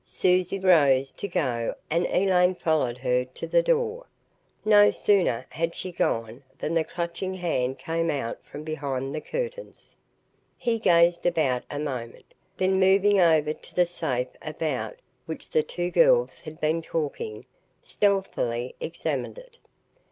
Susie rose to go and Elaine followed her to the door. No sooner had she gone than the Clutching Hand came out from behind the curtains. He gazed about a moment, then moving over to the safe about which the two girls had been talking, stealthily examined it.